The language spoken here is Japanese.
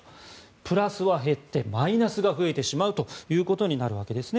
プラスは減ってマイナスが増えてしまうということになるわけですね。